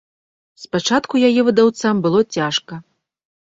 Спачатку яе выдаўцам было цяжка.